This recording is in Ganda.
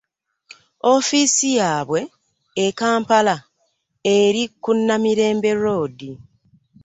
Ofiisi yaabwe e Kampala eri ku Namirembe Road.